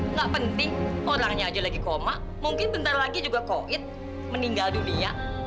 nggak penting orangnya aja lagi koma mungkin bentar lagi juga koid meninggal dunia